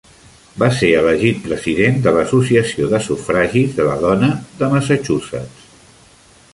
Va ser elegit president de l'Associació de sufragis de la dona de Massachusetts.